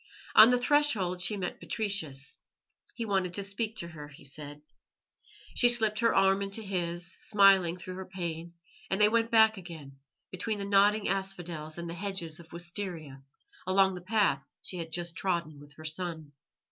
On the threshold she met Patricius. He wanted to speak to her, he said. She slipped her arm into his, smiling through her pain, and they went back again, between the nodding asphodels and the hedges of wisteria, along the path she had just trodden with her son.